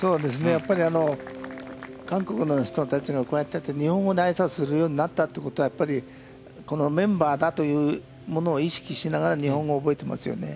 やっぱり韓国の人たちがこうやって日本語で挨拶するようになったということは、やっぱりメンバーだというものを意識しながら日本語を覚えてますよね。